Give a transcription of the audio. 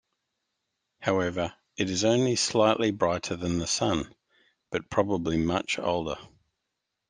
However, it is only slightly brighter than the Sun, but probably much older.